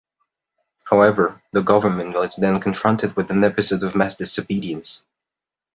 However, the Government was then confronted with an episode of mass disobedience.